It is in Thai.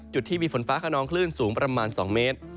จุดที่มีฝนฟ้าขนองคลื่นสูงประมาณ๒เมตร